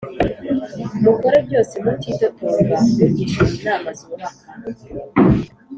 Mukore byose mutitotomba mugishanya inama zubaka